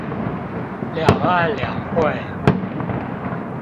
兩岸兩會